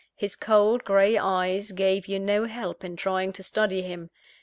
His cold grey eyes gave you no help in trying to study him.